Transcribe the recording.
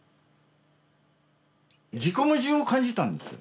自己矛盾を感じたんですよ。